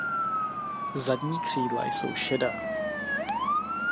Zadní křídla jsou šedá.